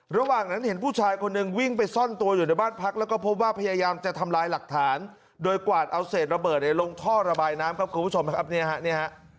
ระหว่างนั้นเห็นผู้ชายคนหนึ่งวิ่งไปซ่อนตัวอยู่ในบ้านพักแล้วก็พบว่าพยายามจะทำลายหลักฐานโดยกวาดเอาเศษระเบิดในลงท่อระบายน้ำครับคุณผู้ชมครับเนี่ยฮะเนี่ยฮะ